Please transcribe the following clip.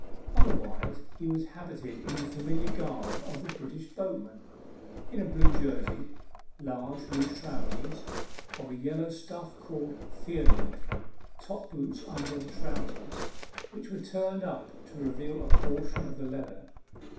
Otherwise he was habited in the familiar garb of the British boatman in a blue jersey, large loose trousers, of a yellow stuff called " fear naught;" top boots under the trousers, which were turned up to reveal a portion of the leather.